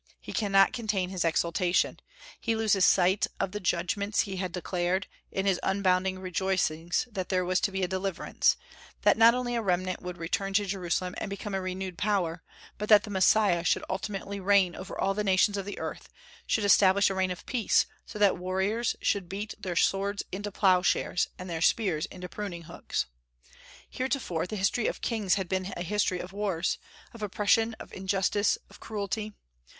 He cannot contain his exultation. He loses sight of the judgments he had declared, in his unbounded rejoicings that there was to be a deliverance; that not only a remnant would return to Jerusalem and become a renewed power, but that the Messiah should ultimately reign over all the nations of the earth, should establish a reign of peace, so that warriors "should beat their swords into ploughshares, and their spears into pruning hooks." Heretofore the history of kings had been a history of wars, of oppression, of injustice, of cruelty.